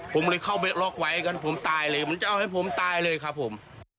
ผมเลยเข้าไปล็อกไว้กันผมตายเลยมันจะเอาให้ผมตายเลยครับผม